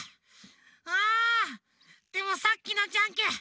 あでもさっきのジャンケン